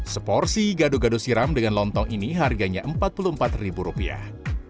seporsi gado gado siram dengan lontong ini harganya empat puluh empat ribu rupiah